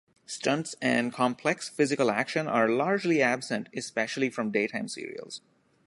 Stunts and complex physical action are largely absent, especially from daytime serials.